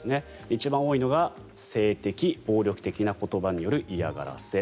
一番多いのが性的・暴力的な言葉による嫌がらせ。